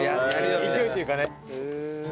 勢いっていうかね。